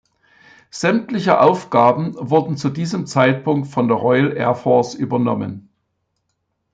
Sämtliche Aufgaben wurden zu diesem Zeitpunkt von der Royal Air Force übernommen.